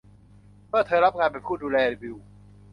เมื่อเธอรับงานเป็นผู้ดูแล วิล